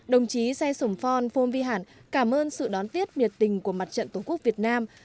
đồng chí say sổm phon phôn vi hản cảm ơn sự đón tiết miệt tình của mặt trận tổ quốc việt nam